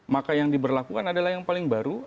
maka yang diberlakukan adalah yang paling baru